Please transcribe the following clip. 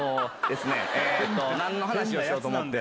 何の話をしようと思って。